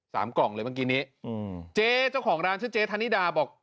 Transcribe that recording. กล่องเลยเมื่อกี้นี้อืมเจ๊เจ้าของร้านชื่อเจ๊ธนิดาบอก